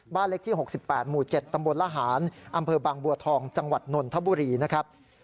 เล็กที่๖๘หมู่๗ตำบลละหารอำเภอบางบัวทองจังหวัดนนทบุรีนะครับ